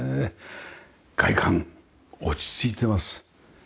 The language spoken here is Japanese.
外観落ち着いてます。